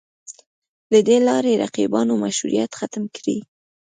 له دې لارې رقیبانو مشروعیت ختم کړي